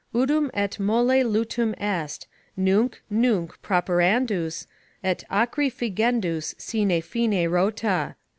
"Udum et molle lutum est; nunc, nunc properandus, et acri Fingendus sine fine rota."